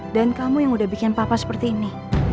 dan kamu yang udah bikin papa seperti ini